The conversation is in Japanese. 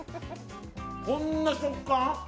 こんな食感？